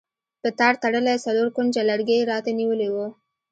په تار تړلی څلور کونجه لرګی یې راته نیولی و.